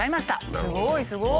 すごいすごい！